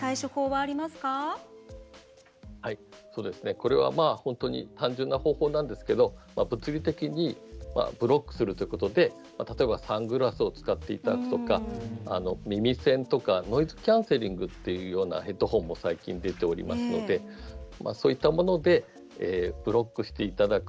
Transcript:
これは本当に単純な方法なんですけど物理的にブロックするということで例えばサングラスを使っていただくとか耳栓とかノイズキャンセリングっていうようなヘッドホンも最近出ておりますのでそういったものでブロックしていただく。